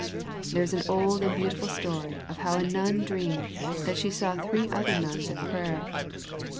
There is an old and beautiful story of how a nun dreamed that she saw three other nuns at prayer.